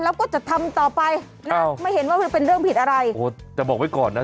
แล้วก็จะทำต่อไปนะไม่เห็นว่ามันเป็นเรื่องผิดอะไรโอ้จะบอกไว้ก่อนนะ